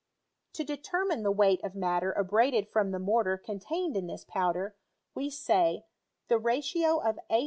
To determine &e weight of matter abraded from the mortal con tained in this powder, we say a+ I : b